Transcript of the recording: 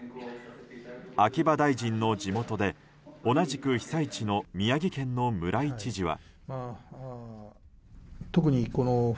秋葉大臣の地元で同じく被災地の宮城県の村井知事は。